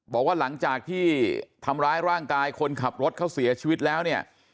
บอกว่าหลังจากที่ทำร้ายร่างกายคนขับรถเขาเสียชีวิตแล้วเนี่ย